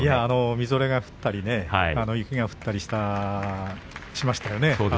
みぞれが降ったり雪が降ったりしましたよね